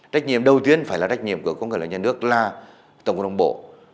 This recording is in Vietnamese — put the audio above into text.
trách nhiệm đầu tiên phải là trách nhiệm của công nghệ lãnh nhân nước là tổng quân đồng bộ